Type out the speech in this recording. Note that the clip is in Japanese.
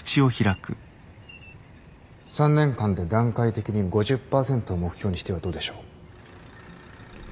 ３年間で段階的に５０％を目標にしてはどうでしょう。